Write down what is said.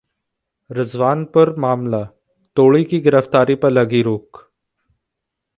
रिजवानुर मामला: तोडी की गिरफ्तारी पर लगी रोक